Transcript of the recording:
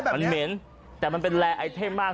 มันเหม็นแต่มันเป็นแลร์ไอเทมมาก